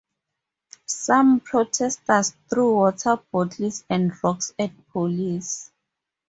Some protesters threw water bottles and rocks at police.